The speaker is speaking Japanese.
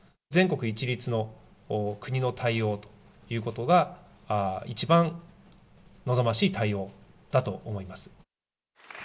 全国一律の国の対応ということが、一番望ましい対応だと思います。